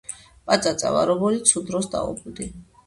პაწაწა ვარ ობოლი ცუდ დროს დავობლდი